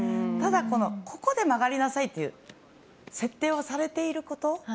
ただ、ここで曲がりなさいという設定をされていること。